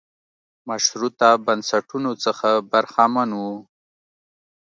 مشروطه بنسټونو څخه برخمن و.